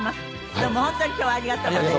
どうも本当に今日はありがとうございました。